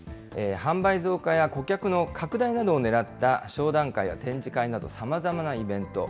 販売増加や顧客の拡大などをねらった商談会や展示会など、さまざまなイベント。